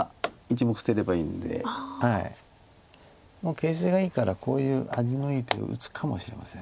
形勢がいいからこういう味のいい手を打つかもしれません。